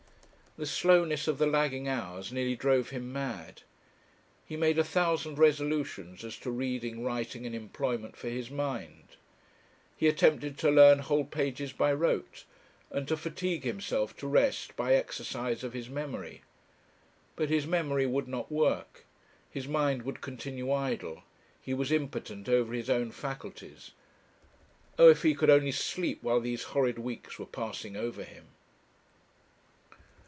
The slowness of the lagging hours nearly drove him mad. He made a thousand resolutions as to reading, writing, and employment for his mind. He attempted to learn whole pages by rote, and to fatigue himself to rest by exercise of his memory. But his memory would not work; his mind would continue idle; he was impotent over his own faculties. Oh, if he could only sleep while these horrid weeks were passing over him!